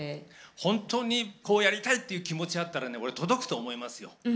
本当に、こうやりたいっていう気持ちがあったらね俺、届くと思いますよ。